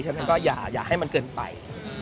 ฉะนั้นก็อย่าให้มันเกินไป